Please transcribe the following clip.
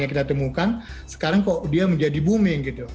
kita temukan sekarang kok dia menjadi booming